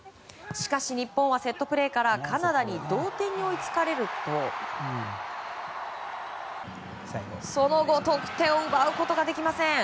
しかし日本はセットプレーからカナダに同点に追いつかれるとその後得点を奪うことができません。